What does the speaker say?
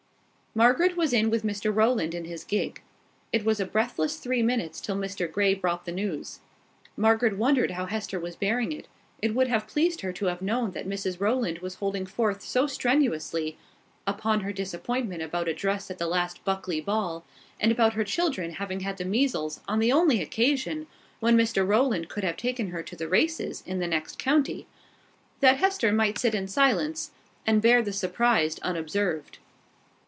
Margaret was with Mr Rowland in his gig. It was a breathless three minutes till Mr Grey brought the news. Margaret wondered how Hester was bearing it: it would have pleased her to have known that Mrs Rowland was holding forth so strenuously upon her disappointment about a dress at the last Buckley ball, and about her children having had the measles on the only occasion when Mr Rowland could have taken her to the races in the next county, that Hester might sit in silence, and bear the suspense unobserved.